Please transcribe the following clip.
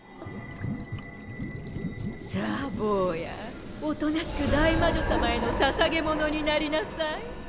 さあぼうやおとなしく大魔女様へのささげものになりなさい。